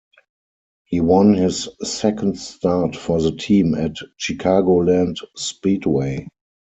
He won his second start for the team at Chicagoland Speedway.